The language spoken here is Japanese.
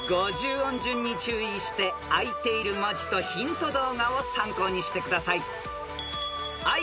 ［５０音順に注意して開いている文字とヒント動画を参考にしてください］